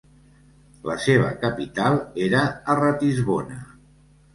La seva capital era a Ratisbona.